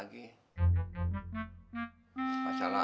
nggak mau yang berbau sirik lagi